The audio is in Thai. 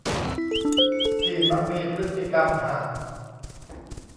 ที่มักมีพฤติกรรมห่าม